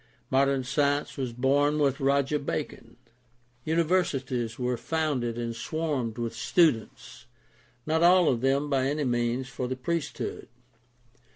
Modern science was born with Roger Bacon. Universities were founded and swarmed with students — not all of them by any means for the priest hood.